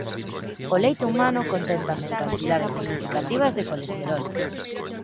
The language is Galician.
O leite humano contén tamén cantidades significativas de colesterol.